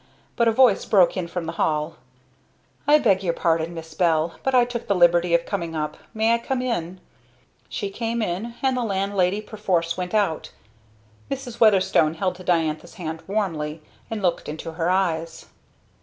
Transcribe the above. But a voice broke in from the hall, "I beg your pardon, Miss Bell, but I took the liberty of coming up; may I come in?" She came in, and the landlady perforce went out. Mrs. Weatherstone held Diantha's hand warmly, and looked into her eyes.